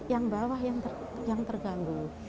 yang bawah yang terganggu